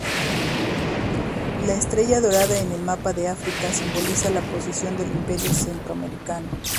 La estrella dorada en el mapa de África simboliza la posición del Imperio Centroafricano.